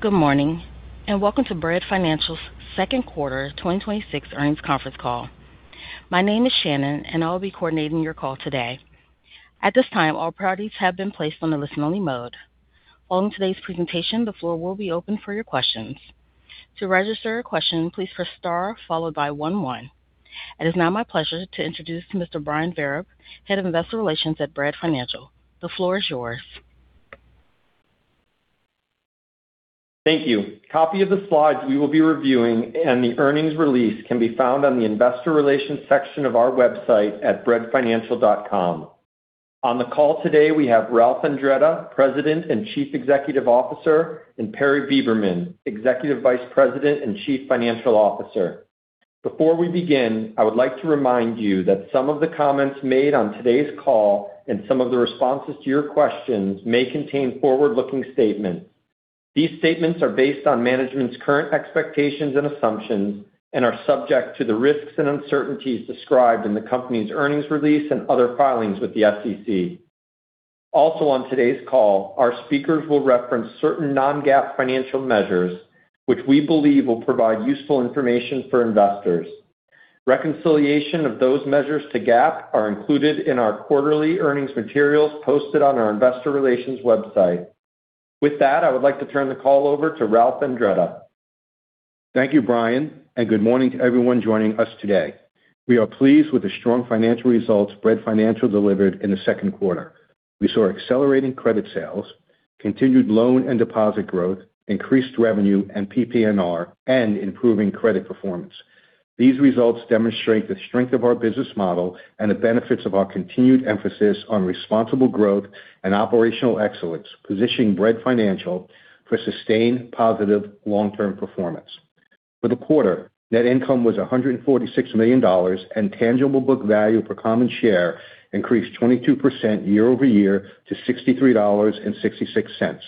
Good morning, and welcome to Bread Financial's second quarter 2026 earnings conference call. My name is Shannon, and I will be coordinating your call today. At this time, all parties have been placed on a listen-only mode. Following today's presentation, the floor will be open for your questions. To register a question, please press star followed by one one. It is now my pleasure to introduce Mr. Brian Vereb, Head of Investor Relations at Bread Financial. The floor is yours. Thank you. A copy of the slides we will be reviewing and the earnings release can be found on the investor relations section of our website at breadfinancial.com. On the call today, we have Ralph Andretta, President and Chief Executive Officer, and Perry Beberman, Executive Vice President and Chief Financial Officer. Before we begin, I would like to remind you that some of the comments made on today's call and some of the responses to your questions may contain forward-looking statements. These statements are based on management's current expectations and assumptions and are subject to the risks and uncertainties described in the company's earnings release and other filings with the SEC. Also on today's call, our speakers will reference certain non-GAAP financial measures which we believe will provide useful information for investors. Reconciliation of those measures to GAAP are included in our quarterly earnings materials posted on our investor relations website. With that, I would like to turn the call over to Ralph Andretta. Thank you, Brian, and good morning to everyone joining us today. We are pleased with the strong financial results Bread Financial delivered in the second quarter. We saw accelerating credit sales, continued loan and deposit growth, increased revenue and PPNR, and improving credit performance. These results demonstrate the strength of our business model and the benefits of our continued emphasis on responsible growth and operational excellence, positioning Bread Financial for sustained positive long-term performance. For the quarter, net income was $146 million, and tangible book value per common share increased 22% year-over-year to $63.66.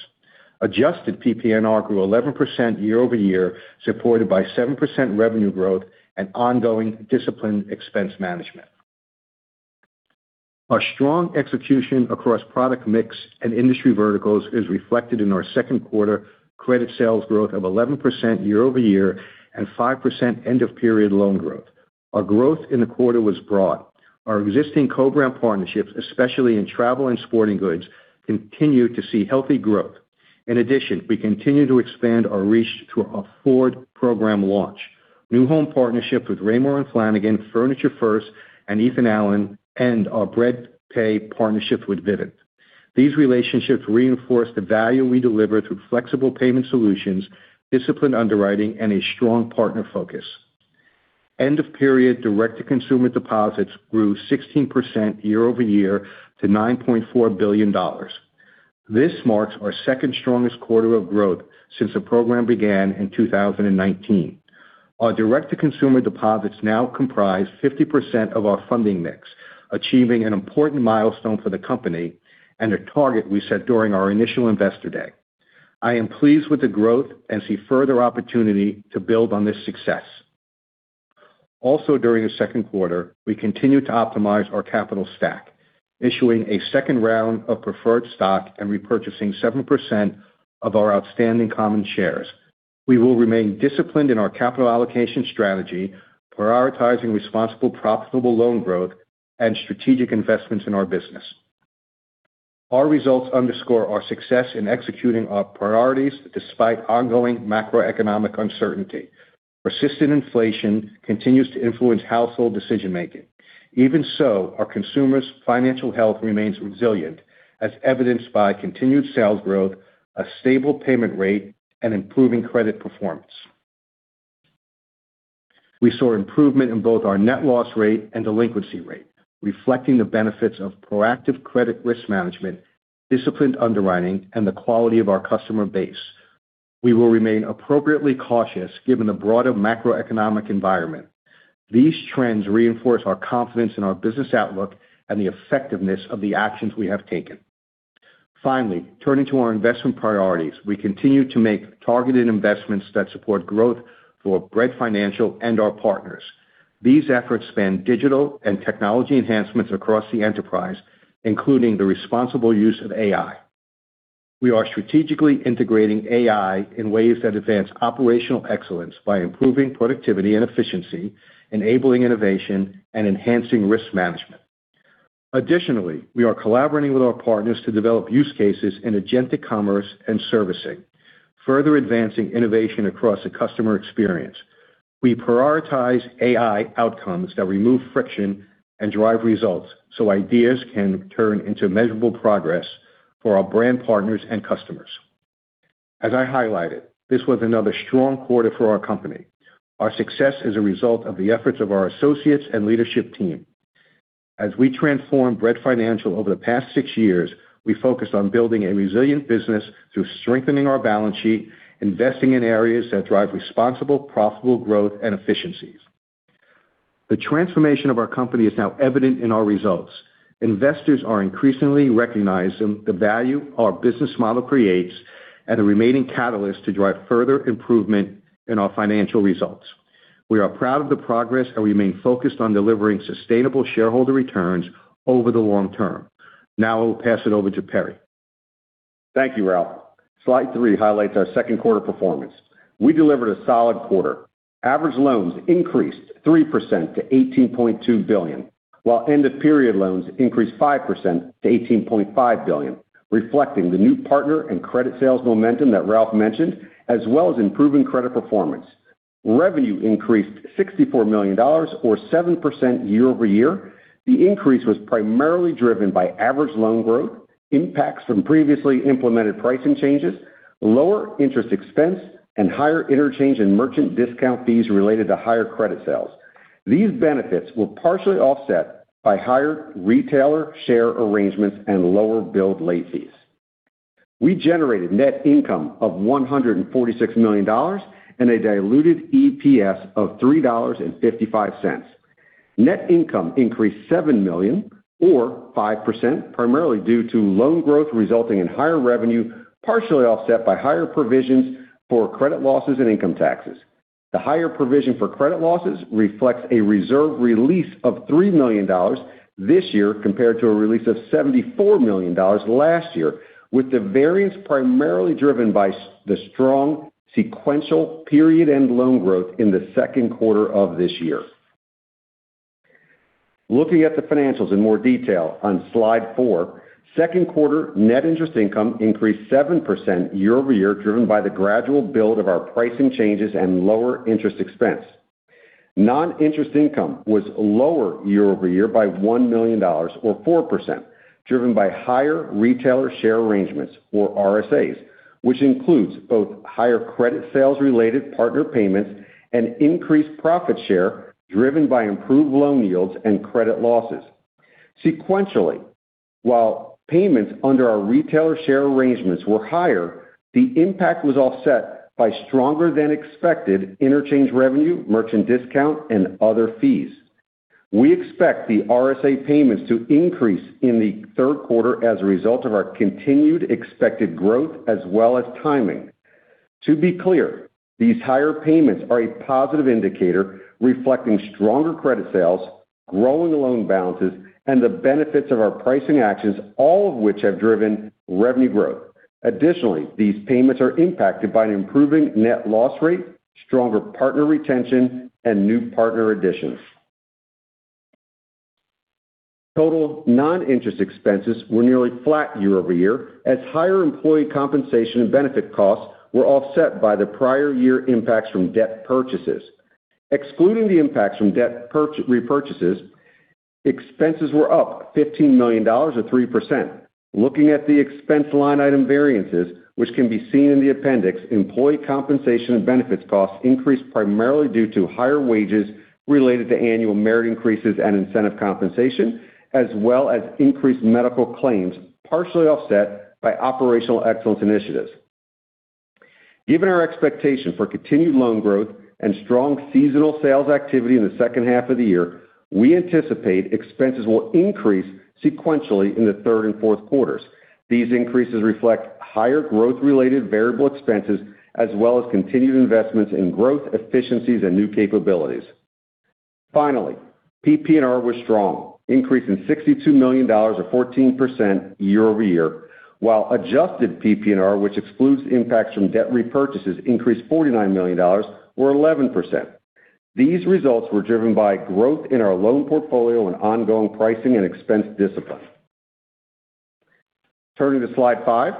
Adjusted PPNR grew 11% year-over-year, supported by 7% revenue growth and ongoing disciplined expense management. Our strong execution across product mix and industry verticals is reflected in our second quarter credit sales growth of 11% year-over-year and 5% end-of-period loan growth. Our growth in the quarter was broad. Our existing co-brand partnerships, especially in travel and sporting goods, continue to see healthy growth. In addition, we continue to expand our reach to our Ford program launch, new home partnership with Raymour & Flanigan, Furniture First, and Ethan Allen, and our Bread Pay partnership with Vivint. These relationships reinforce the value we deliver through flexible payment solutions, disciplined underwriting, and a strong partner focus. End-of-period direct-to-consumer deposits grew 16% year-over-year to $9.4 billion. This marks our second-strongest quarter of growth since the program began in 2019. Our direct-to-consumer deposits now comprise 50% of our funding mix, achieving an important milestone for the company and a target we set during our initial Investor Day. I am pleased with the growth and see further opportunity to build on this success. Also during the second quarter, we continued to optimize our capital stack, issuing a second round of preferred stock and repurchasing 7% of our outstanding common shares. We will remain disciplined in our capital allocation strategy, prioritizing responsible, profitable loan growth and strategic investments in our business. Our results underscore our success in executing our priorities despite ongoing macroeconomic uncertainty. Persistent inflation continues to influence household decision-making. Even so, our consumers' financial health remains resilient, as evidenced by continued sales growth, a stable payment rate, and improving credit performance. We saw improvement in both our net loss rate and delinquency rate, reflecting the benefits of proactive credit risk management, disciplined underwriting, and the quality of our customer base. We will remain appropriately cautious given the broader macroeconomic environment. These trends reinforce our confidence in our business outlook and the effectiveness of the actions we have taken. Turning to our investment priorities. We continue to make targeted investments that support growth for Bread Financial and our partners. These efforts span digital and technology enhancements across the enterprise, including the responsible use of AI. We are strategically integrating AI in ways that advance operational excellence by improving productivity and efficiency, enabling innovation, and enhancing risk management. Additionally, we are collaborating with our partners to develop use cases in agentic commerce and servicing, further advancing innovation across the customer experience. We prioritize AI outcomes that remove friction and drive results so ideas can turn into measurable progress for our brand partners and customers. As I highlighted, this was another strong quarter for our company. Our success is a result of the efforts of our associates and leadership team. As we transformed Bread Financial over the past six years, we focused on building a resilient business through strengthening our balance sheet, investing in areas that drive responsible, profitable growth, and efficiencies. The transformation of our company is now evident in our results. Investors are increasingly recognizing the value our business model creates and the remaining catalyst to drive further improvement in our financial results. We are proud of the progress, and we remain focused on delivering sustainable shareholder returns over the long term. I'll pass it over to Perry. Thank you, Ralph. Slide three highlights our second quarter performance. We delivered a solid quarter. Average loans increased 3% to $18.2 billion, while end-of-period loans increased 5% to $18.5 billion, reflecting the new partner and credit sales momentum that Ralph mentioned, as well as improving credit performance. Revenue increased $64 million, or 7% year-over-year. The increase was primarily driven by average loan growth, impacts from previously implemented pricing changes, lower interest expense, and higher interchange and merchant discount fees related to higher credit sales. These benefits were partially offset by higher retailer share arrangements and lower billed late fees. We generated net income of $146 million and a diluted EPS of $3.55. Net income increased $7 million, or 5%, primarily due to loan growth resulting in higher revenue, partially offset by higher provisions for credit losses and income taxes. The higher provision for credit losses reflects a reserve release of $3 million this year, compared to a release of $74 million last year, with the variance primarily driven by the strong sequential period end loan growth in the second quarter of this year. Looking at the financials in more detail on slide four, second quarter net interest income increased 7% year-over-year, driven by the gradual build of our pricing changes and lower interest expense. Non-interest income was lower year-over-year by $1 million, or 4%, driven by higher retailer share arrangements, or RSAs, which includes both higher credit sales-related partner payments and increased profit share driven by improved loan yields and credit losses. Sequentially, while payments under our retailer share arrangements were higher, the impact was offset by stronger-than-expected interchange revenue, merchant discount, and other fees. We expect the RSA payments to increase in the third quarter as a result of our continued expected growth as well as timing. To be clear, these higher payments are a positive indicator reflecting stronger credit sales, growing loan balances, and the benefits of our pricing actions, all of which have driven revenue growth. Additionally, these payments are impacted by an improving net loss rate, stronger partner retention, and new partner additions. Total non-interest expenses were nearly flat year-over-year, as higher employee compensation and benefit costs were offset by the prior year impacts from debt purchases. Excluding the impacts from debt repurchases, expenses were up $15 million, or 3%. Looking at the expense line item variances, which can be seen in the appendix, employee compensation and benefits costs increased primarily due to higher wages related to annual merit increases and incentive compensation, as well as increased medical claims, partially offset by operational excellence initiatives. Given our expectation for continued loan growth and strong seasonal sales activity in the second half of the year, we anticipate expenses will increase sequentially in the third and fourth quarters. These increases reflect higher growth-related variable expenses as well as continued investments in growth efficiencies and new capabilities. Finally, PPNR was strong, increasing $62 million or 14% year-over-year, while adjusted PPNR, which excludes impacts from debt repurchases, increased $49 million, or 11%. These results were driven by growth in our loan portfolio and ongoing pricing and expense discipline. Turning to slide five.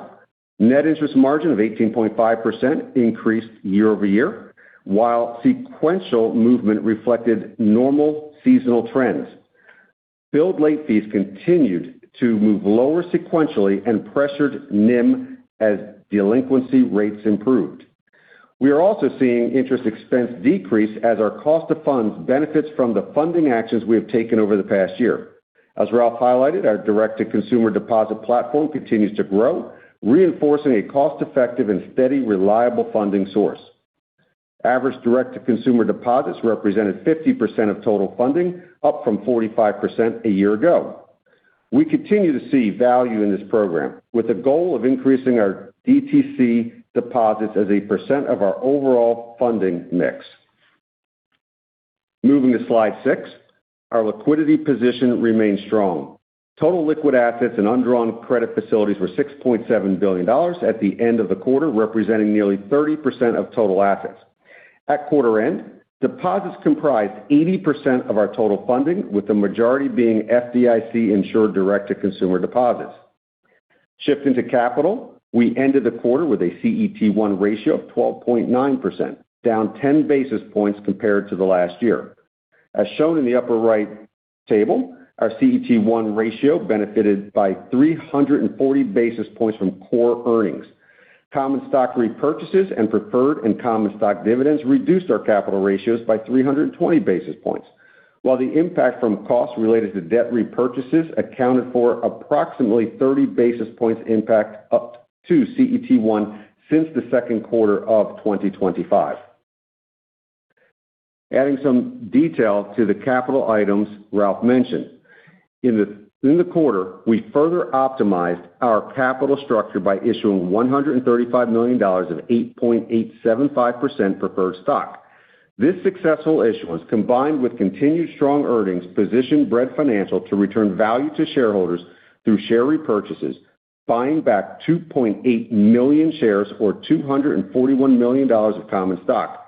Net interest margin of 18.5% increased year-over-year, while sequential movement reflected normal seasonal trends. Billed late fees continued to move lower sequentially and pressured NIM as delinquency rates improved. We are also seeing interest expense decrease as our cost of funds benefits from the funding actions we have taken over the past year. As Ralph highlighted, our direct-to-consumer deposit platform continues to grow, reinforcing a cost-effective and steady, reliable funding source. Average direct-to-consumer deposits represented 50% of total funding, up from 45% a year ago. We continue to see value in this program, with a goal of increasing our DTC deposits as a percent of our overall funding mix. Moving to slide six. Our liquidity position remains strong. Total liquid assets and undrawn credit facilities were $6.7 billion at the end of the quarter, representing nearly 30% of total assets. At quarter end, deposits comprised 80% of our total funding, with the majority being FDIC-insured direct-to-consumer deposits. Shifting to capital, we ended the quarter with a CET1 ratio of 12.9%, down 10 basis points compared to last year. As shown in the upper right table, our CET1 ratio benefited by 340 basis points from core earnings. Common stock repurchases and preferred and common stock dividends reduced our capital ratios by 320 basis points, while the impact from costs related to debt repurchases accounted for approximately 30 basis points impact up to CET1 since the second quarter of 2025. Adding some detail to the capital items Ralph mentioned. In the quarter, we further optimized our capital structure by issuing $135 million of 8.875% preferred stock. This successful issuance, combined with continued strong earnings, positioned Bread Financial to return value to shareholders through share repurchases, buying back 2.8 million shares or $241 million of common stock.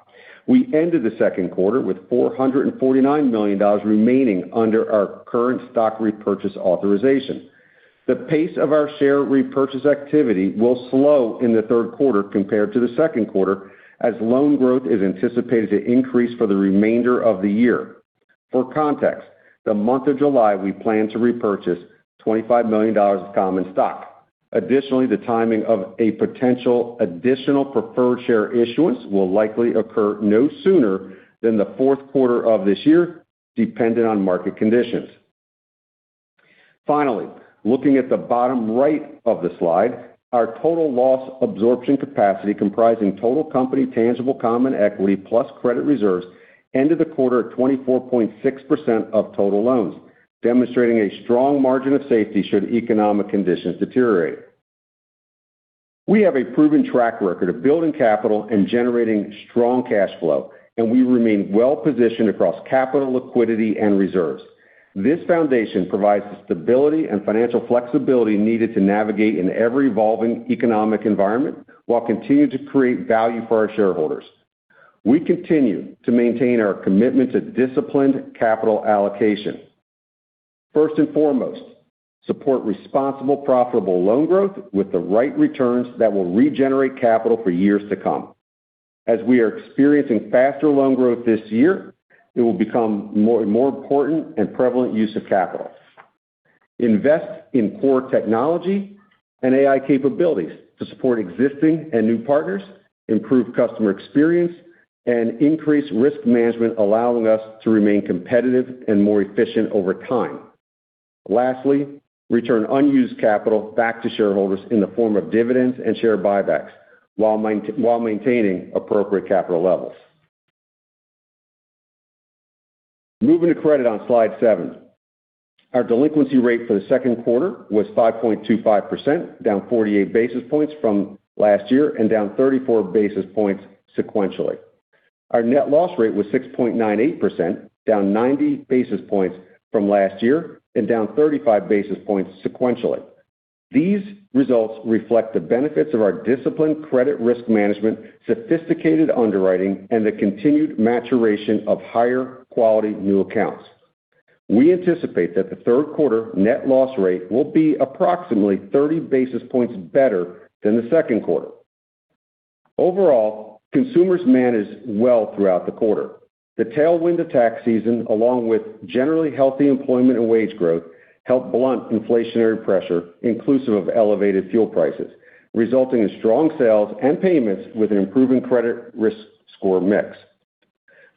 We ended the second quarter with $449 million remaining under our current stock repurchase authorization. The pace of our share repurchase activity will slow in the third quarter compared to the second quarter as loan growth is anticipated to increase for the remainder of the year. For context, in the month of July, we plan to repurchase $25 million of common stock. Additionally, the timing of a potential additional preferred share issuance will likely occur no sooner than the fourth quarter of this year, depending on market conditions. Finally, looking at the bottom right of the slide, our total loss absorption capacity, comprising total company tangible common equity plus credit reserves, ended the quarter at 24.6% of total loans, demonstrating a strong margin of safety should economic conditions deteriorate. We have a proven track record of building capital and generating strong cash flow, and we remain well-positioned across capital, liquidity, and reserves. This foundation provides the stability and financial flexibility needed to navigate in every evolving economic environment while continuing to create value for our shareholders. We continue to maintain our commitment to disciplined capital allocation. First and foremost, support responsible, profitable loan growth with the right returns that will regenerate capital for years to come. As we are experiencing faster loan growth this year, it will become a more important and prevalent use of capital. Invest in core technology and AI capabilities to support existing and new partners, improve customer experience, and increase risk management, allowing us to remain competitive and more efficient over time. Lastly, return unused capital back to shareholders in the form of dividends and share buybacks while maintaining appropriate capital levels. Moving to credit on slide seven. Our delinquency rate for the second quarter was 5.25%, down 48 basis points from last year and down 34 basis points sequentially. Our net loss rate was 6.98%, down 90 basis points from last year and down 35 basis points sequentially. These results reflect the benefits of our disciplined credit risk management, sophisticated underwriting, and the continued maturation of higher-quality new accounts. We anticipate that the third quarter net loss rate will be approximately 30 basis points better than the second quarter. Overall, consumers managed well throughout the quarter. The tailwind of tax season, along with generally healthy employment and wage growth, helped blunt inflationary pressure, inclusive of elevated fuel prices, resulting in strong sales and payments with an improving credit risk score mix.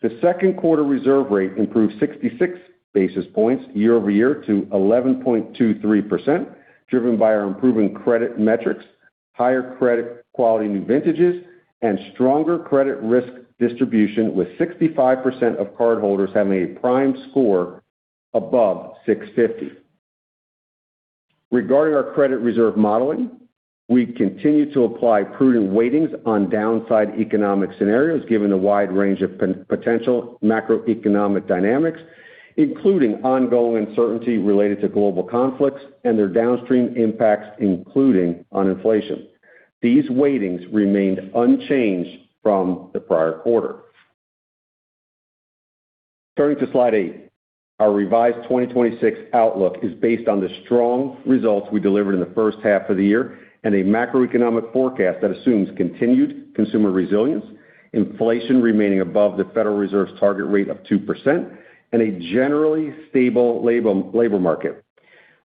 The second quarter reserve rate improved 66 basis points year-over-year to 11.23%, driven by our improving credit metrics, higher credit quality new vintages, and stronger credit risk distribution, with 65% of cardholders having a prime score above 650. Regarding our credit reserve modeling, we continue to apply prudent weightings on downside economic scenarios given the wide range of potential macroeconomic dynamics, including ongoing uncertainty related to global conflicts and their downstream impacts, including on inflation. These weightings remained unchanged from the prior quarter. Turning to slide eight. Our revised 2026 outlook is based on the strong results we delivered in the first half of the year and a macroeconomic forecast that assumes continued consumer resilience, inflation remaining above the Federal Reserve's target rate of 2%, and a generally stable labor market.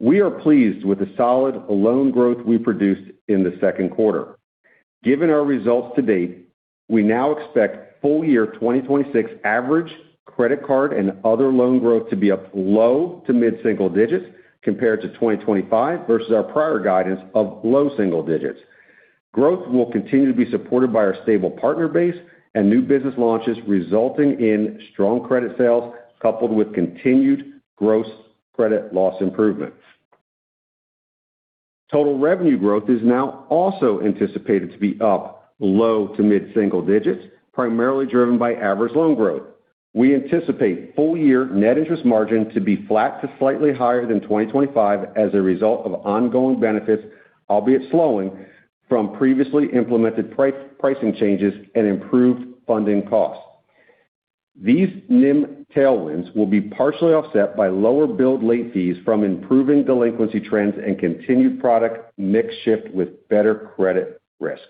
We are pleased with the solid loan growth we produced in the second quarter. Given our results to date, we now expect full-year 2026 average credit card and other loan growth to be up low to mid-single digits compared to 2025 versus our prior guidance of low single digits. Growth will continue to be supported by our stable partner base and new business launches, resulting in strong credit sales coupled with continued gross credit loss improvements. Total revenue growth is now also anticipated to be up low to mid-single digits, primarily driven by average loan growth. We anticipate full-year net interest margin to be flat to slightly higher than 2025 as a result of ongoing benefits, albeit slowing, from previously implemented pricing changes and improved funding costs. These NIM tailwinds will be partially offset by lower billed late fees from improving delinquency trends and continued product mix shift with better credit risk.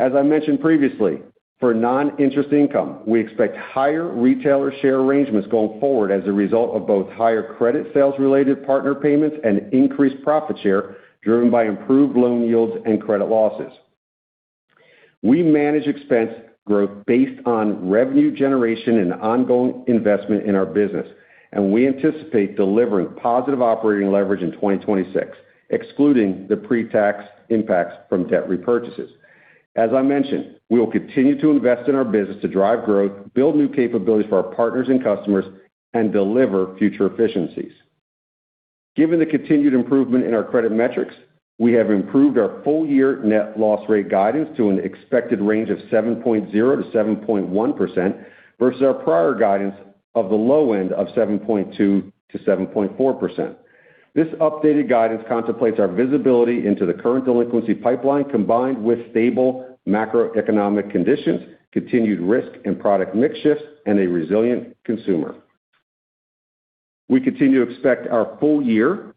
As I mentioned previously, for non-interest income, we expect higher retailer share arrangements going forward as a result of both higher credit sales-related partner payments and increased profit share driven by improved loan yields and credit losses. We manage expense growth based on revenue generation and ongoing investment in our business, and we anticipate delivering positive operating leverage in 2026, excluding the pre-tax impacts from debt repurchases. As I mentioned, we will continue to invest in our business to drive growth, build new capabilities for our partners and customers, and deliver future efficiencies. Given the continued improvement in our credit metrics, we have improved our full-year net loss rate guidance to an expected range of 7.0%-7.1%, versus our prior guidance of the low end of 7.2%-7.4%. This updated guidance contemplates our visibility into the current delinquency pipeline, combined with stable macroeconomic conditions, continued risk and product mix shifts, and a resilient consumer. We continue to expect our full-year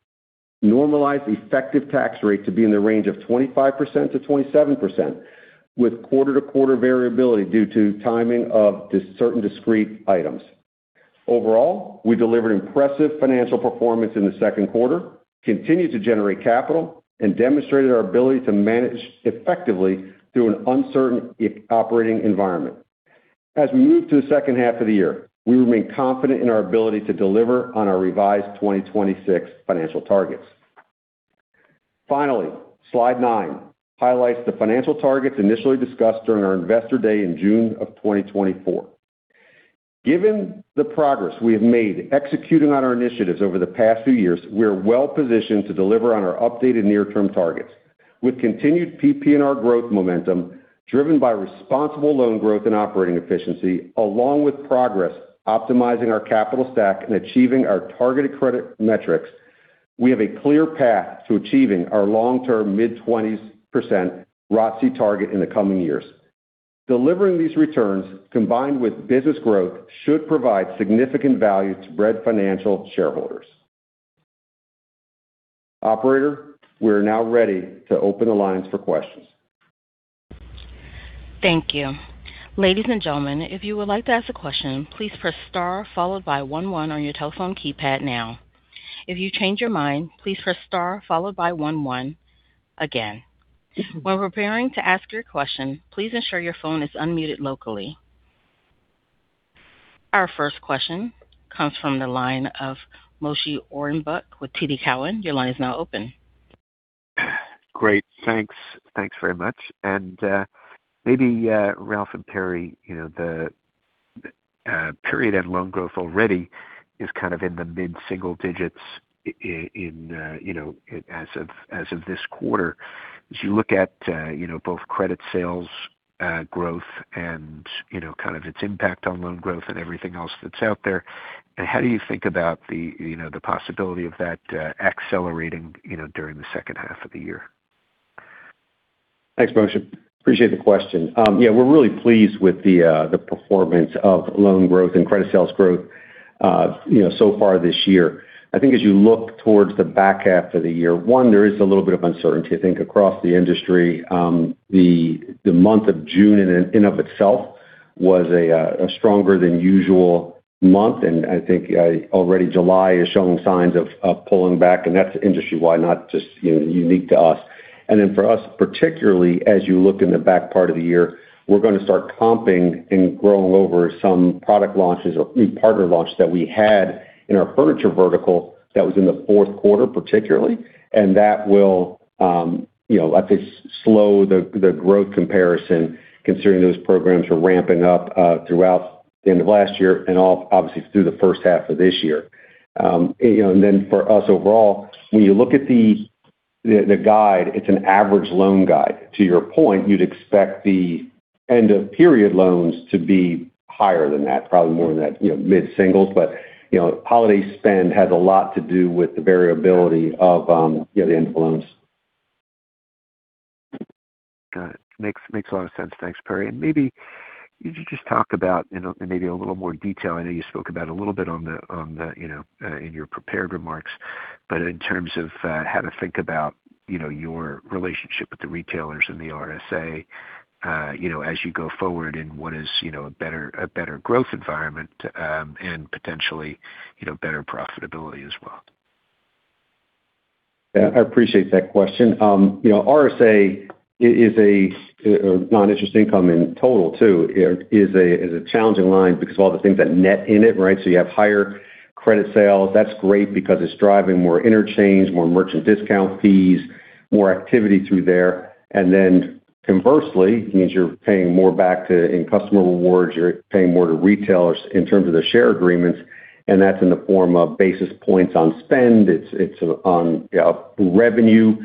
normalized effective tax rate to be in the range of 25%-27%, with quarter-to-quarter variability due to timing of certain discrete items. Overall, we delivered impressive financial performance in the second quarter, continued to generate capital, and demonstrated our ability to manage effectively through an uncertain operating environment. As we move to the second half of the year, we remain confident in our ability to deliver on our revised 2026 financial targets. Slide nine highlights the financial targets initially discussed during our Investor Day in June of 2024. Given the progress we have made executing on our initiatives over the past few years, we are well-positioned to deliver on our updated near-term targets. With continued PPNR growth momentum driven by responsible loan growth and operating efficiency, along with progress optimizing our capital stack and achieving our targeted credit metrics, we have a clear path to achieving our long-term mid-20% ROTCE target in the coming years. Delivering these returns, combined with business growth, should provide significant value to Bread Financial shareholders. Operator, we're now ready to open the lines for questions. Thank you. Ladies and gentlemen, if you would like to ask a question, please press star followed by one one on your telephone keypad now. If you change your mind, please press star followed by one one again. When preparing to ask your question, please ensure your phone is unmuted locally. Our first question comes from the line of Moshe Orenbuch with TD Cowen. Your line is now open. Great. Thanks. Thanks very much. Maybe, Ralph and Perry, the period end loan growth already is kind of in the mid-single digits as of this quarter. As you look at both credit sales growth and its impact on loan growth and everything else that's out there, how do you think about the possibility of that accelerating during the second half of the year? Thanks, Moshe. Appreciate the question. Yeah, we're really pleased with the performance of loan growth and credit sales growth so far this year. I think as you look towards the back half of the year, one, there is a little bit of uncertainty, I think, across the industry. The month of June in and of itself was a stronger than usual month, and I think already July is showing signs of pulling back, and that's industry-wide, not just unique to us. For us, particularly as you look in the back part of the year, we're going to start comping and growing over some product launches or new partner launch that we had in our furniture vertical that was in the fourth quarter, particularly. That will, I'd say, slow the growth comparison considering those programs were ramping up throughout the end of last year and obviously through the first half of this year. For us overall, when you look at the guide, it's an average loan guide. To your point, you'd expect the end-of-period loans to be higher than that, probably more than that mid-singles. Holiday spend has a lot to do with the variability of the end loans. Got it. Makes a lot of sense. Thanks, Perry. Maybe could you just talk about in maybe a little more detail, I know you spoke about a little bit in your prepared remarks, but in terms of how to think about your relationship with the retailers and the RSA as you go forward and what is a better growth environment and potentially better profitability as well? Yeah, I appreciate that question. RSA is a non-interest income in total, too. It is a challenging line because of all the things that net in it, right? You have higher credit sales. That's great because it's driving more interchange, more merchant discount fees, more activity through there. Conversely, it means you're paying more back in customer rewards, you're paying more to retailers in terms of the share agreements, and that's in the form of basis points on spend. It's on revenue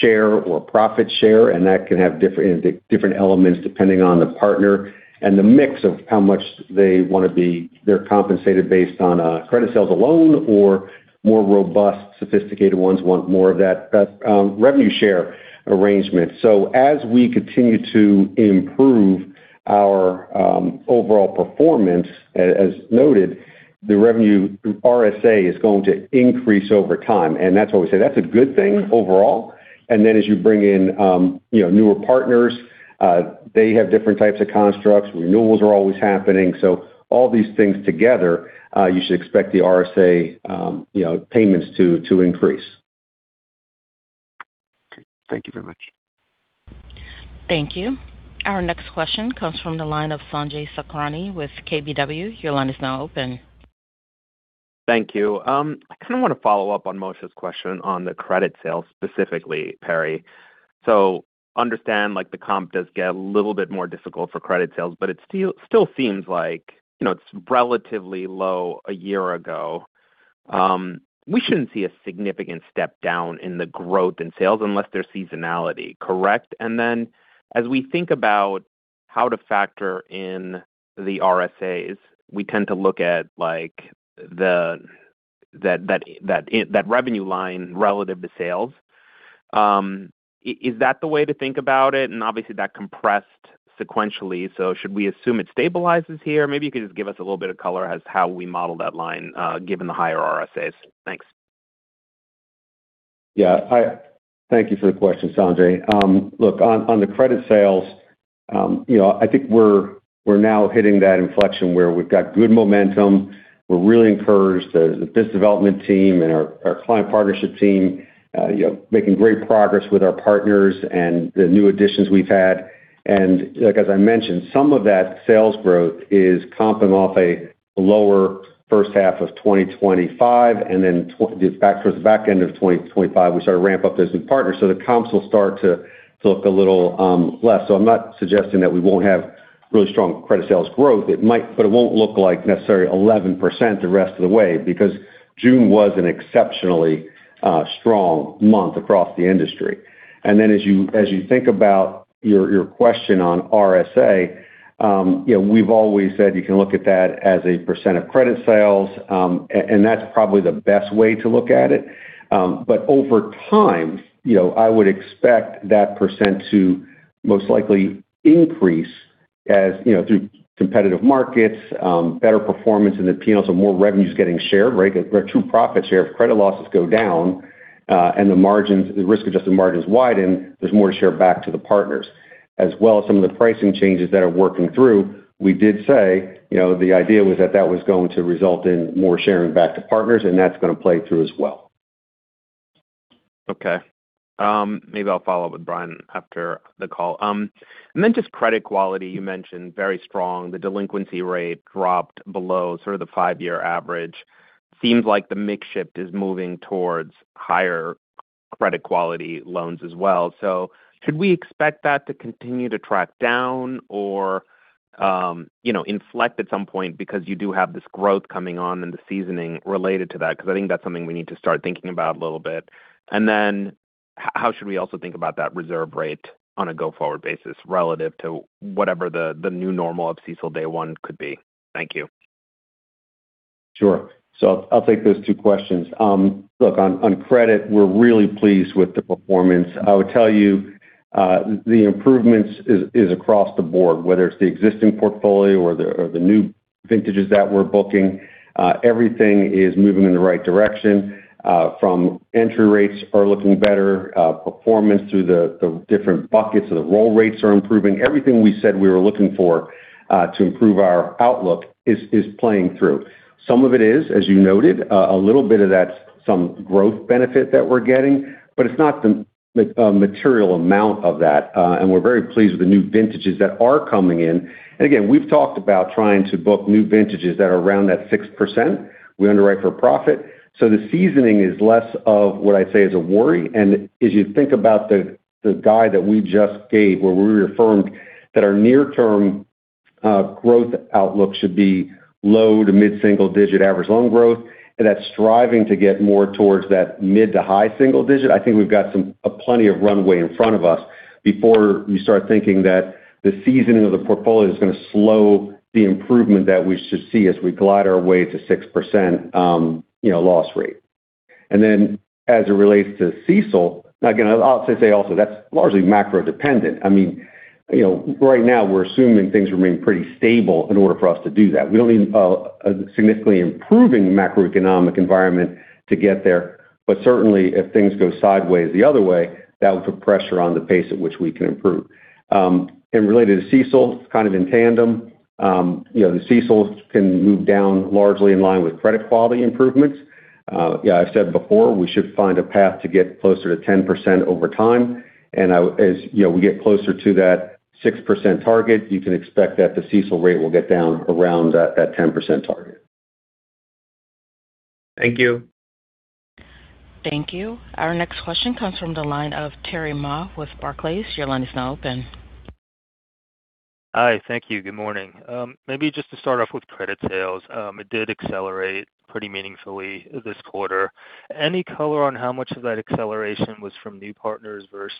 share or profit share, and that can have different elements depending on the partner and the mix of how much they want to be. They're compensated based on credit sales alone or more robust, sophisticated ones want more of that revenue share arrangement. As we continue to improve our overall performance, as noted, the revenue through RSA is going to increase over time. That's why we say that's a good thing overall. Then as you bring in newer partners, they have different types of constructs. Renewals are always happening. All these things together, you should expect the RSA payments to increase. Okay. Thank you very much. Thank you. Our next question comes from the line of Sanjay Sakhrani with KBW. Your line is now open. Thank you. I want to follow up on Moshe's question on the credit sales specifically, Perry. Understand the comp does get a little bit more difficult for credit sales, but it still seems like it's relatively low a year ago. We shouldn't see a significant step down in the growth in sales unless there's seasonality. Correct? Then as we think about how to factor in the RSAs, we tend to look at that revenue line relative to sales. Is that the way to think about it? Obviously that compressed sequentially, so should we assume it stabilizes here? Maybe you could just give us a little bit of color as how we model that line, given the higher RSAs. Thanks. Thank you for the question, Sanjay. Look on the credit sales, I think we're now hitting that inflection where we've got good momentum. We're really encouraged. The business development team and our client partnership team, making great progress with our partners and the new additions we've had. As I mentioned, some of that sales growth is comping off a lower first half of 2025, then towards the back end of 2025, we started to ramp up those new partners. The comps will start to look a little less. I'm not suggesting that we won't have really strong credit sales growth. It might, but it won't look like necessarily 11% the rest of the way because June was an exceptionally strong month across the industry. As you think about your question on RSA, we've always said you can look at that as a percent of credit sales, and that's probably the best way to look at it. Over time, I would expect that % to most likely increase through competitive markets, better performance in the P&Ls, so more revenue is getting shared, right? True profit share. If credit losses go down, and the risk-adjusted margins widen, there's more to share back to the partners. As well as some of the pricing changes that are working through. We did say the idea was that that was going to result in more sharing back to partners, and that's going to play through as well. Okay. Maybe I'll follow up with Brian after the call. Just credit quality, you mentioned very strong. The delinquency rate dropped below sort of the five-year average. Seems like the mix shift is moving towards higher credit quality loans as well. Should we expect that to continue to track down or inflect at some point because you do have this growth coming on and the seasoning related to that? Because I think that's something we need to start thinking about a little bit. How should we also think about that reserve rate on a go-forward basis relative to whatever the new normal of CECL day one could be? Thank you. I'll take those two questions. Look, on credit, we're really pleased with the performance. I would tell you the improvements is across the board, whether it's the existing portfolio or the new vintages that we're booking. Everything is moving in the right direction from entry rates are looking better, performance through the different buckets of the roll rates are improving. Everything we said we were looking for to improve our outlook is playing through. Some of it is, as you noted, a little bit of that's some growth benefit that we're getting, but it's not the material amount of that. We're very pleased with the new vintages that are coming in. Again, we've talked about trying to book new vintages that are around that 6%. We underwrite for profit. The seasoning is less of what I'd say is a worry. As you think about the guide that we just gave, where we reaffirmed that our near-term growth outlook should be low to mid-single-digit average loan growth, and that striving to get more towards that mid to high single-digit. I think we've got plenty of runway in front of us before we start thinking that the seasoning of the portfolio is going to slow the improvement that we should see as we glide our way to 6% loss rate. As it relates to CECL, again, I'll say also that's largely macro-dependent. Right now we're assuming things remain pretty stable in order for us to do that. We don't need a significantly improving macroeconomic environment to get there. Certainly if things go sideways the other way, that will put pressure on the pace at which we can improve. Related to CECL, it's kind of in tandem. The CECL can move down largely in line with credit quality improvements. I've said before, we should find a path to get closer to 10% over time. As we get closer to that 6% target, you can expect that the CECL rate will get down around that 10% target. Thank you. Thank you. Our next question comes from the line of Terry Ma with Barclays. Your line is now open. Hi. Thank you. Good morning. Maybe just to start off with credit sales. It did accelerate pretty meaningfully this quarter. Any color on how much of that acceleration was from new partners versus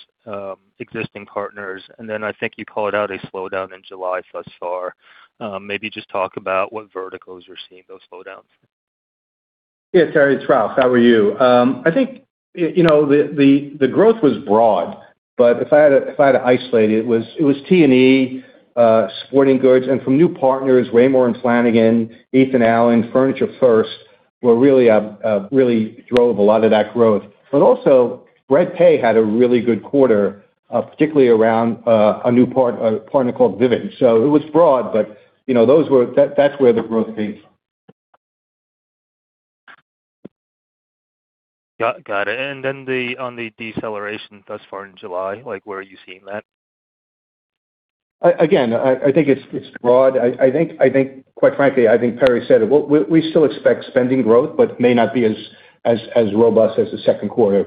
existing partners? I think you called out a slowdown in July thus far. Maybe just talk about what verticals you're seeing those slowdowns. Yeah, Terry, it's Ralph. How are you? I think the growth was broad, but if I had to isolate it was T&E, sporting goods, and from new partners, Raymour & Flanigan, Ethan Allen, Furniture First really drove a lot of that growth. Bread Pay had a really good quarter, particularly around a new partner called Vivint. It was broad, but that's where the growth came from. Got it. On the deceleration thus far in July, where are you seeing that? Again, I think it's broad. Quite frankly, I think Perry said it. We still expect spending growth, but it may not be as robust as the second quarter.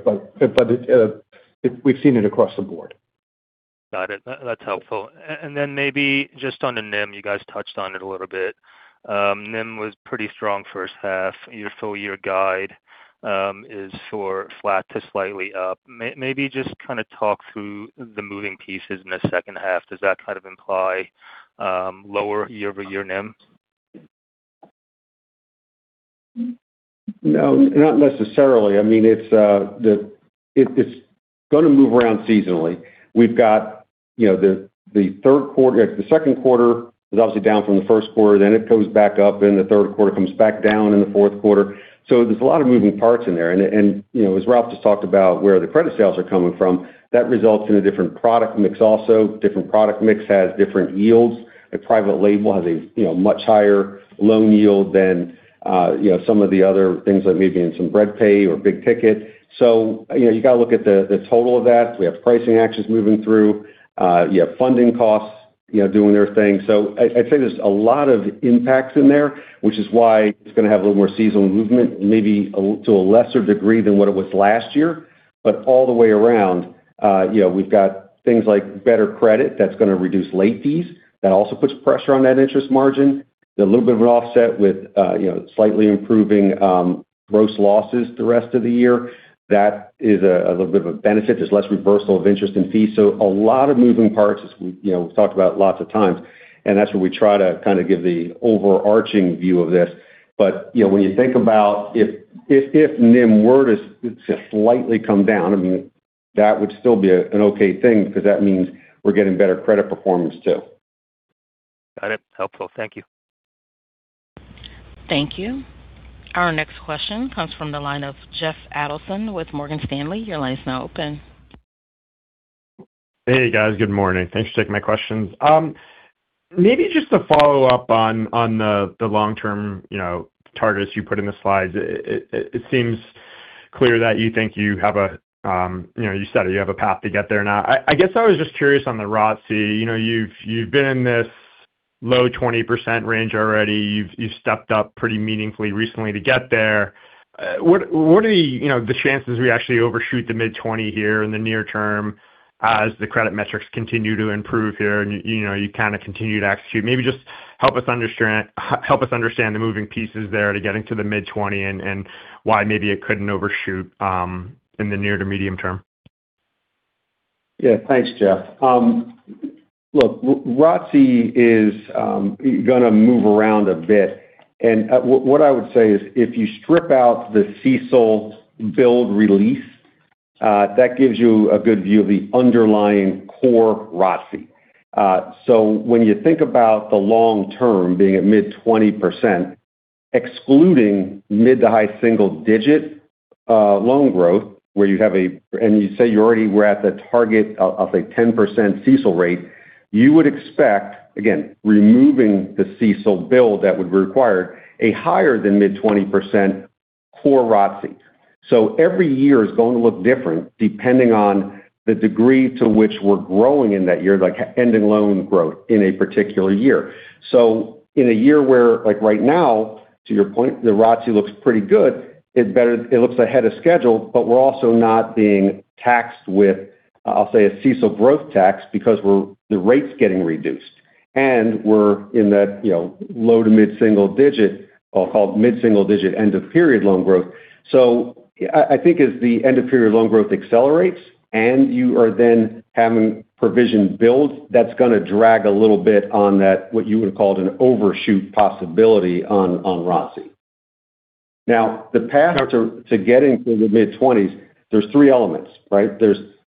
We've seen it across the board. Got it. That's helpful. Maybe just on the NIM, you guys touched on it a little bit. NIM was pretty strong first half. Your full-year guide is for flat to slightly up. Maybe just kind of talk through the moving pieces in the second half. Does that kind of imply lower year-over-year NIM? No, not necessarily. It's going to move around seasonally. We've got the second quarter is obviously down from the first quarter, then it goes back up, and the third quarter comes back down in the fourth quarter. There's a lot of moving parts in there. As Ralph just talked about, where the credit sales are coming from, that results in a different product mix also. Different product mix has different yields. A private label has a much higher loan yield than some of the other things like maybe in some Bread Pay or Big Ticket. You got to look at the total of that. We have pricing actions moving through. You have funding costs doing their thing. I'd say there's a lot of impacts in there, which is why it's going to have a little more seasonal movement, maybe to a lesser degree than what it was last year. All the way around, we've got things like better credit that's going to reduce late fees. That also puts pressure on that interest margin. A little bit of an offset with slightly improving gross losses the rest of the year. That is a little bit of a benefit. There's less reversal of interest and fees. A lot of moving parts, as we've talked about lots of times, and that's where we try to kind of give the overarching view of this. When you think about if NIM were to slightly come down, that would still be an okay thing because that means we're getting better credit performance too. Got it. Helpful. Thank you. Thank you. Our next question comes from the line of Jeff Adelson with Morgan Stanley. Your line is now open. Hey, guys. Good morning. Thanks for taking my questions. Maybe just to follow up on the long-term targets you put in the slides. It seems clear that you said you have a path to get there now. I guess I was just curious on the ROTCE. You've been in this low 20% range already. You've stepped up pretty meaningfully recently to get there. What are the chances we actually overshoot the mid-20% here in the near term as the credit metrics continue to improve here and you kind of continue to execute? Maybe just help us understand the moving pieces there to getting to the mid-20% and why maybe it couldn't overshoot in the near to medium term. Yeah. Thanks, Jeff. Look, ROTCE is going to move around a bit, and what I would say is if you strip out the CECL build release, that gives you a good view of the underlying core ROTCE. When you think about the long term being at mid-20%, excluding mid to high single digit loan growth, and you say you already were at the target of a 10% CECL rate, you would expect, again, removing the CECL build that would require a higher than mid-20% core ROTCE. Every year is going to look different depending on the degree to which we're growing in that year, like ending loan growth in a particular year. In a year where, like right now, to your point, the ROTCE looks pretty good, it looks ahead of schedule, but we're also not being taxed with, I'll say, a CECL growth tax because the rate's getting reduced, and we're in that low to mid single digit, I'll call it mid-single digit end-of-period loan growth. I think as the end-of-period loan growth accelerates and you are then having provision build, that's going to drag a little bit on that, what you would call an overshoot possibility on ROTCE. Now, the path to getting to the mid-20s%, there's three elements, right?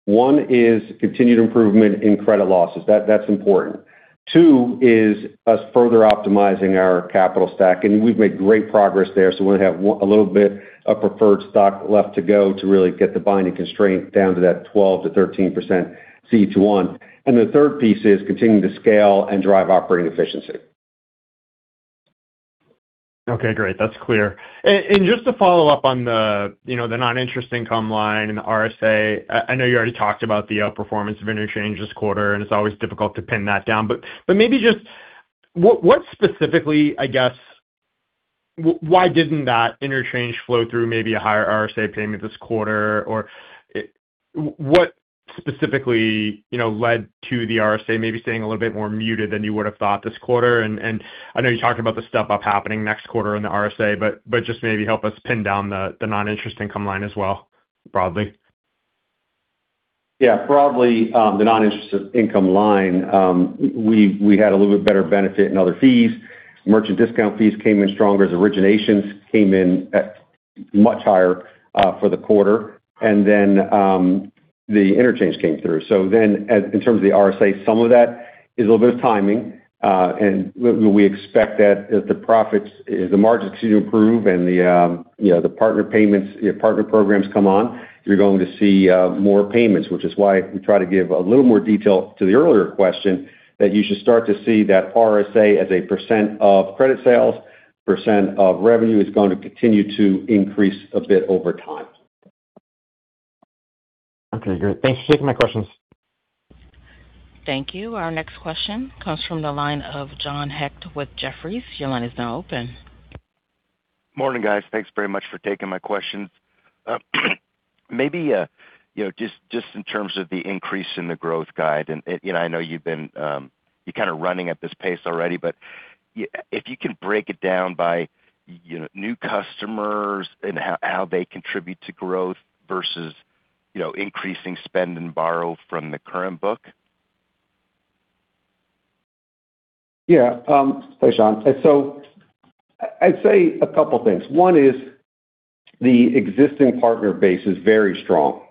One is continued improvement in credit losses. That's important. Two is us further optimizing our capital stack, and we've made great progress there. We only have a little bit of preferred stock left to go to really get the binding constraint down to that 12%-13% CET1. The third piece is continuing to scale and drive operating efficiency. Okay, great. That's clear. Just to follow up on the non-interest income line and the RSA, I know you already talked about the outperformance of interchange this quarter, and it's always difficult to pin that down. Maybe just what specifically led to the RSA maybe staying a little bit more muted than you would have thought this quarter? I know you talked about the step-up happening next quarter in the RSA, but just maybe help us pin down the non-interest income line as well, broadly. Broadly, the non-interest income line we had a little bit better benefit in other fees. Merchant discount fees came in stronger as originations came in much higher for the quarter, the interchange came through. In terms of the RSA, some of that is a little bit of timing, and we expect that as the margin continue to improve and the partner programs come on, you're going to see more payments, which is why we try to give a little more detail to the earlier question that you should start to see that RSA as a percent of credit sales, percent of revenue is going to continue to increase a bit over time. Okay, great. Thanks for taking my questions. Thank you. Our next question comes from the line of John Hecht with Jefferies. Your line is now open. Morning, guys. Thanks very much for taking my questions. Maybe just in terms of the increase in the growth guide, I know you've been kind of running at this pace already, if you can break it down by new customers and how they contribute to growth versus increasing spend and borrow from the current book. Yeah. Thanks, John. I'd say a couple of things. One is the existing partner base is very strong,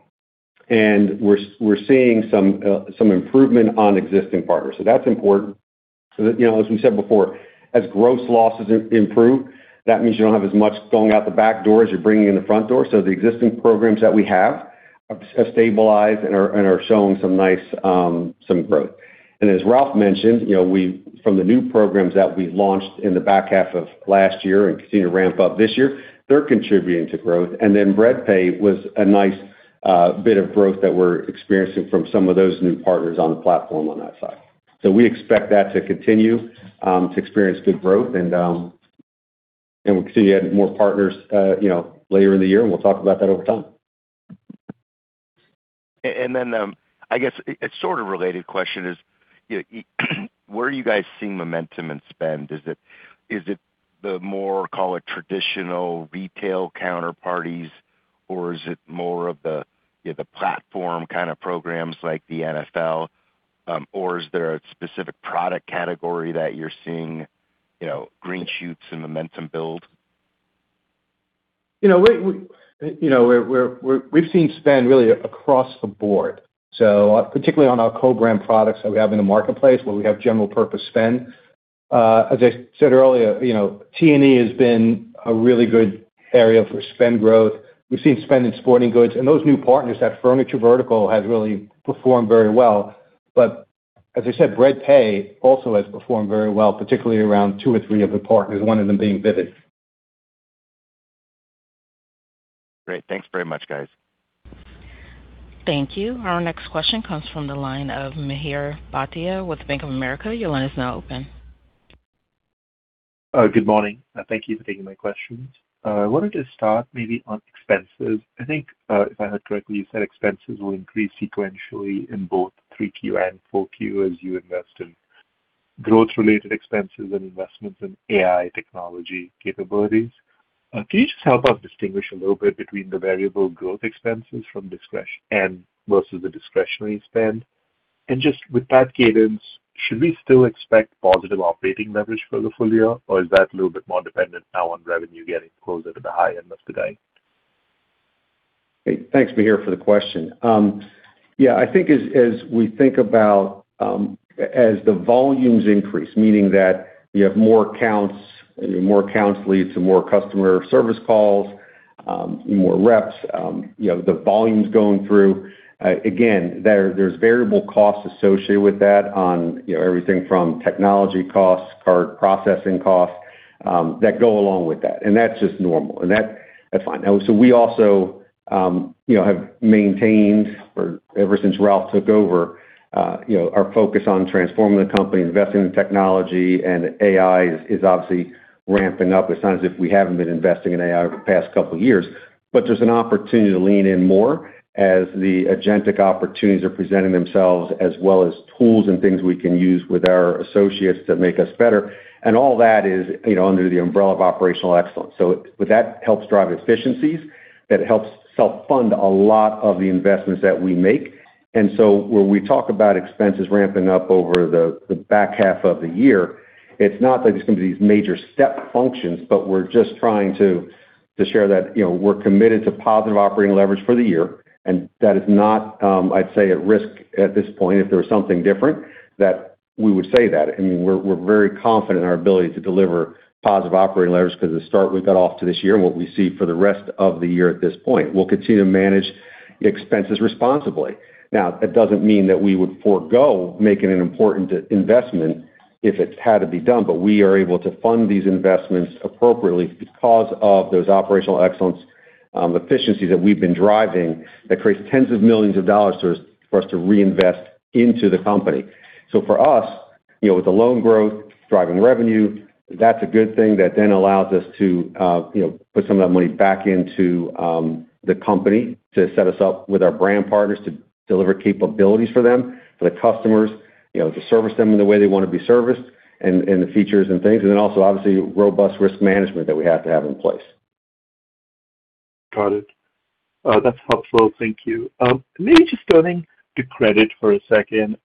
we're seeing some improvement on existing partners. That's important. As we said before, as gross losses improve, that means you don't have as much going out the back door as you're bringing in the front door. The existing programs that we have have stabilized and are showing some nice growth. As Ralph mentioned, from the new programs that we launched in the back half of last year and continue to ramp up this year, they're contributing to growth. Bread Pay was a nice bit of growth that we're experiencing from some of those new partners on the platform on that side. We expect that to continue to experience good growth, and we'll continue to add more partners later in the year, and we'll talk about that over time. I guess a sort of related question is, where are you guys seeing momentum in spend? Is it the more, call it traditional retail counterparties, or is it more of the platform kind of programs like the NFL? Or is there a specific product category that you're seeing green shoots and momentum build? We've seen spend really across the board. Particularly on our co-brand products that we have in the marketplace where we have general purpose spend. As I said earlier, T&E has been a really good area for spend growth. We've seen spend in sporting goods and those new partners, that furniture vertical has really performed very well. As I said, Bread Pay also has performed very well, particularly around two or three of the partners, one of them being Vivint. Great. Thanks very much, guys. Thank you. Our next question comes from the line of Mihir Bhatia with Bank of America. Your line is now open. Good morning. Thank you for taking my questions. I wanted to start maybe on expenses. I think if I heard correctly, you said expenses will increase sequentially in both three Q and four Q as you invest in growth-related expenses and investments in AI technology capabilities. Can you just help us distinguish a little bit between the variable growth expenses versus the discretionary spend? Just with that cadence, should we still expect positive operating leverage for the full year, or is that a little bit more dependent now on revenue getting closer to the high end of the guide? Hey, thanks, Mihir, for the question. I think as we think about as the volumes increase, meaning that you have more accounts, more accounts lead to more customer service calls, more reps, the volumes going through. There's variable costs associated with that on everything from technology costs, card processing costs, that go along with that. That's just normal. That's fine. We also have maintained, ever since Ralph took over, our focus on transforming the company, investing in technology, and AI is obviously ramping up. It's not as if we haven't been investing in AI over the past couple of years, but there's an opportunity to lean in more as the agentic opportunities are presenting themselves, as well as tools and things we can use with our associates that make us better. All that is under the umbrella of operational excellence. That helps drive efficiencies, that helps self-fund a lot of the investments that we make. Where we talk about expenses ramping up over the back half of the year, it's not like it's going to be these major step functions, but we're just trying to share that we're committed to positive operating leverage for the year, and that is not, I'd say, at risk at this point. If there was something different, that we would say that. We're very confident in our ability to deliver positive operating leverage because of the start we've got off to this year and what we see for the rest of the year at this point. We'll continue to manage expenses responsibly. That doesn't mean that we would forego making an important investment if it had to be done, but we are able to fund these investments appropriately because of those operational excellence efficiencies that we've been driving that creates tens of millions of dollars for us to reinvest into the company. For us, with the loan growth driving revenue, that's a good thing that then allows us to put some of that money back into the company to set us up with our brand partners to deliver capabilities for them, for the customers, to service them in the way they want to be serviced and the features and things. Then also, obviously, robust risk management that we have to have in place. Got it. That's helpful. Thank you. Just turning to credit for a second.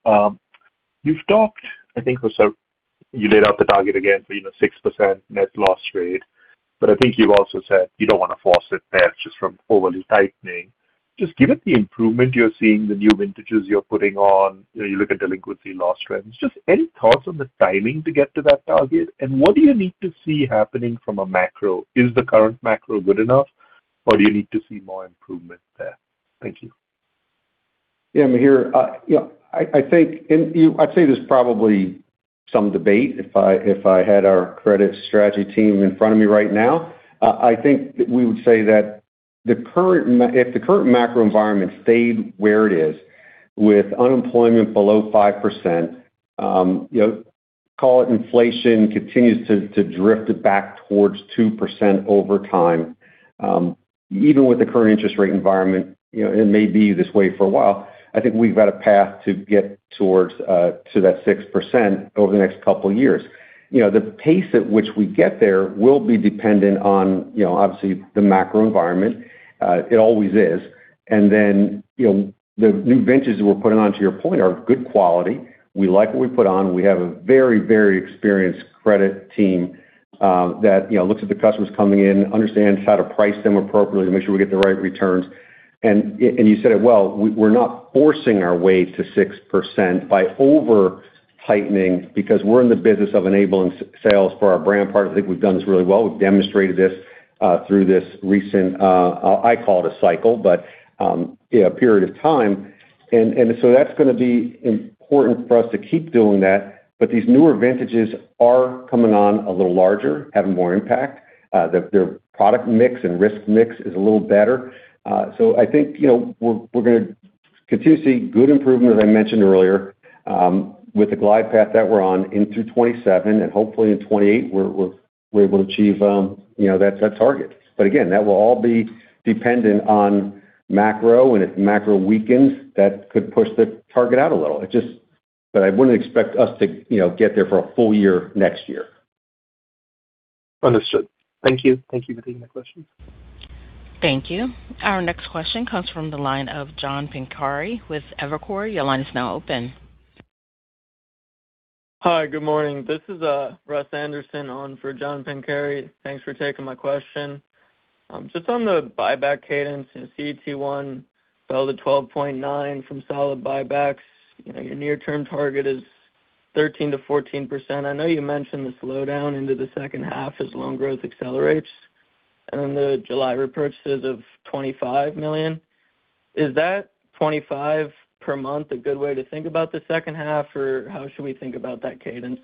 You've talked, I think you laid out the target again for 6% net loss rate, I think you've also said you don't want to force it there just from overly tightening. Just given the improvement you're seeing, the new vintages you're putting on, you look at delinquency loss trends, just any thoughts on the timing to get to that target? What do you need to see happening from a macro? Is the current macro good enough, or do you need to see more improvement there? Thank you. Yeah, Mihir. I'd say this probably some debate if I had our credit strategy team in front of me right now. I think that we would say that if the current macro environment stayed where it is with unemployment below 5%, call it inflation continues to drift back towards 2% over time. Even with the current interest rate environment, it may be this way for a while. I think we've got a path to get towards to that 6% over the next couple of years. The pace at which we get there will be dependent on obviously the macro environment. It always is. The new vintages that we're putting on, to your point, are good quality. We like what we put on. We have a very experienced credit team that looks at the customers coming in, understands how to price them appropriately to make sure we get the right returns. You said it well, we're not forcing our way to 6% by over-tightening because we're in the business of enabling sales for our brand partners. I think we've done this really well. We've demonstrated this through this recent, I call it a cycle, a period of time. That's going to be important for us to keep doing that. These newer vintages are coming on a little larger, having more impact. Their product mix and risk mix is a little better. I think we're going to continue to see good improvement, as I mentioned earlier, with the glide path that we're on into 2027 and hopefully in 2028 we're able to achieve that target. Again, that will all be dependent on macro, if macro weakens, that could push the target out a little. I wouldn't expect us to get there for a full year next year. Understood. Thank you. Thank you for taking the question. Thank you. Our next question comes from the line of John Pancari with Evercore. Your line is now open. Hi, good morning. This is Russ Anderson on for John Pancari. Thanks for taking my question. Just on the buyback cadence and CET1 fell to 12.9 from solid buybacks. Your near-term target is 13%-14%. I know you mentioned the slowdown into the second half as loan growth accelerates, then the July repurchases of $25 million. Is that $25 per month a good way to think about the second half, or how should we think about that cadence?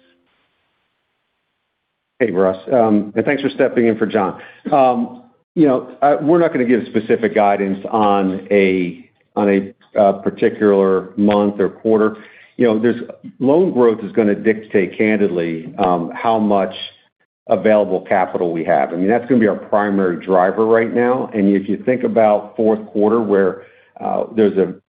Hey, Russ. Thanks for stepping in for John. We're not going to give specific guidance on a particular month or quarter. Loan growth is going to dictate candidly how much available capital we have. That's going to be our primary driver right now. If you think about fourth quarter where there's a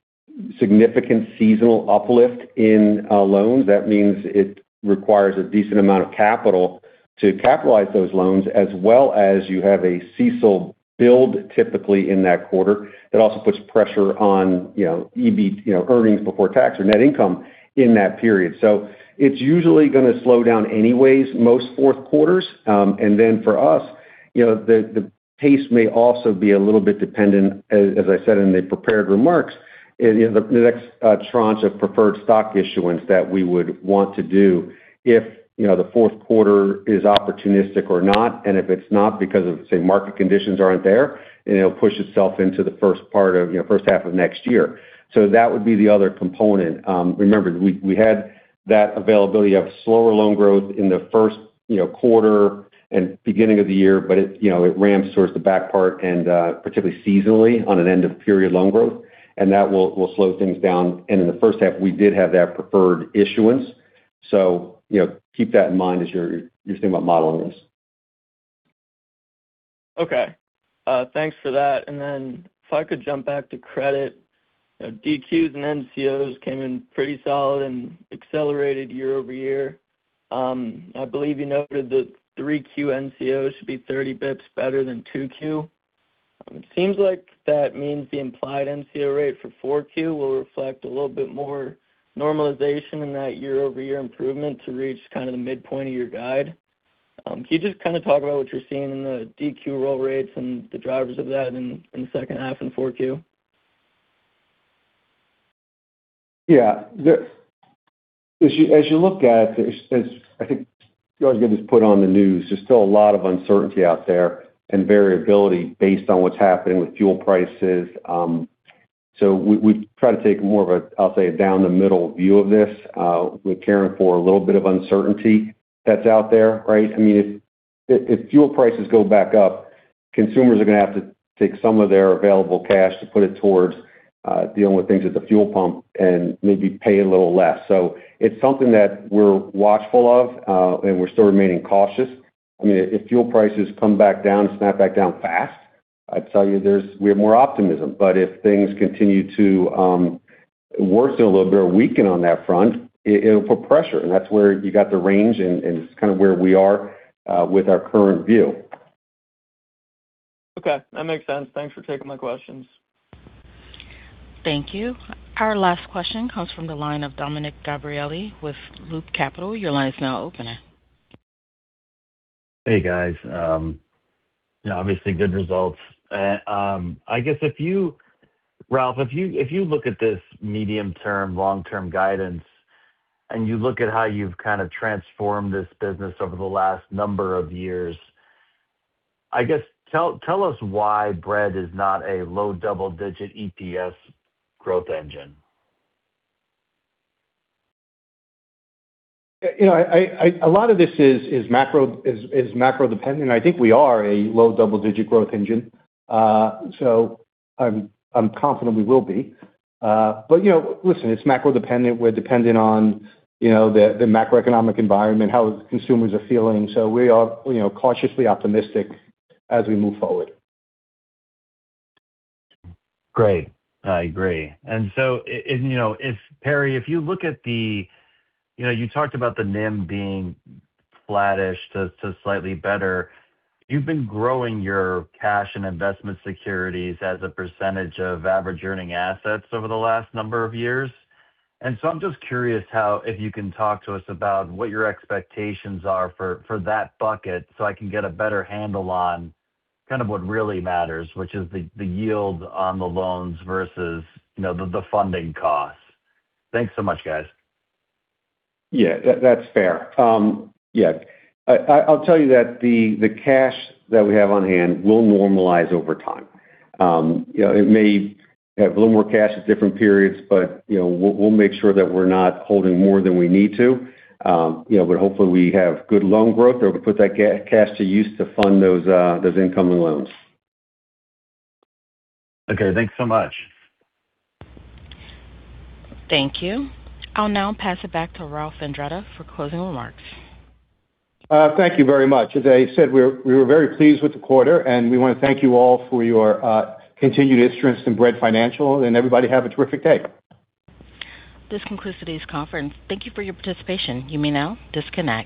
significant seasonal uplift in loans, that means it requires a decent amount of capital to capitalize those loans as well as you have a CECL build typically in that quarter. That also puts pressure on earnings before tax or net income in that period. It's usually going to slow down anyways most fourth quarters. Then for us, the pace may also be a little bit dependent, as I said in the prepared remarks, the next tranche of preferred stock issuance that we would want to do if the fourth quarter is opportunistic or not. If it's not because of, say, market conditions aren't there, it'll push itself into the first half of next year. That would be the other component. Remember, we had that availability of slower loan growth in the first quarter and beginning of the year, but it ramps towards the back part and particularly seasonally on an end of period loan growth, and that will slow things down. In the first half, we did have that preferred issuance. Keep that in mind as you're thinking about modeling this. Okay. Thanks for that. If I could jump back to credit. DQs and NCOs came in pretty solid and accelerated year-over-year. I believe you noted that 3Q NCO should be 30 basis points better than 2Q. It seems like that means the implied NCO rate for 4Q will reflect a little bit more normalization in that year-over-year improvement to reach kind of the midpoint of your guide. Can you just talk about what you're seeing in the DQ roll rates and the drivers of that in the second half in 4Q? Yeah. As you look at it, I think you always get this put on the news, there's still a lot of uncertainty out there and variability based on what's happening with fuel prices. We try to take more of, I'll say, a down the middle view of this. We're accounting for a little bit of uncertainty that's out there, right? If fuel prices go back up, consumers are going to have to take some of their available cash to put it towards dealing with things at the fuel pump and maybe pay a little less. It's something that we're watchful of, and we're still remaining cautious. If fuel prices come back down and snap back down fast, I'd tell you we have more optimism. If things continue to worsen a little bit or weaken on that front, it'll put pressure. That's where you got the range and it's kind of where we are with our current view. Okay. That makes sense. Thanks for taking my questions. Thank you. Our last question comes from the line of Dominick Gabriele with Loop Capital. Your line is now open. Hey, guys. Obviously good results. Ralph, if you look at this medium term, long-term guidance and you look at how you've kind of transformed this business over the last number of years I guess tell us why Bread is not a low double-digit EPS growth engine. A lot of this is macro-dependent. I think we are a low double-digit growth engine. I'm confident we will be. Listen, it's macro-dependent. We're dependent on the macroeconomic environment, how consumers are feeling. We are cautiously optimistic as we move forward. Great. I agree. Perry, you talked about the NIM being flattish to slightly better. You've been growing your cash and investment securities as a percentage of average earning assets over the last number of years. I'm just curious if you can talk to us about what your expectations are for that bucket so I can get a better handle on kind of what really matters, which is the yield on the loans versus the funding costs. Thanks so much, guys. Yeah, that's fair. I'll tell you that the cash that we have on hand will normalize over time. It may have a little more cash at different periods, but we'll make sure that we're not holding more than we need to. Hopefully we have good loan growth or we put that cash to use to fund those incoming loans. Okay, thanks so much. Thank you. I'll now pass it back to Ralph Andretta for closing remarks. Thank you very much. As I said, we were very pleased with the quarter, we want to thank you all for your continued interest in Bread Financial. Everybody have a terrific day. This concludes today's conference. Thank you for your participation. You may now disconnect.